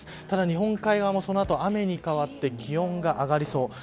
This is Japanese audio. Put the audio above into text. ただ日本海も雨に変わって気温が上がりそう。